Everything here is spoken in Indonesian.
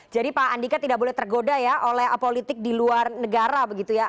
jadi pak andika tidak boleh tergoda oleh politik di luar negara begitu ya